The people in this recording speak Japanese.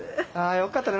あよかった。